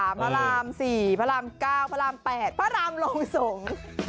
มีพระราม๓พระราม๔พระราม๙พระราม๘พระรามลงสง